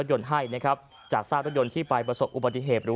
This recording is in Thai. ยนต์ให้นะครับจากซากรถยนต์ที่ไปประสบอุบัติเหตุหรือ